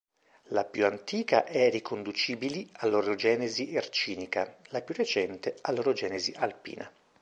La più antica è riconducibili all'Orogenesi Ercinica, la più recente all'Orogenesi Alpina.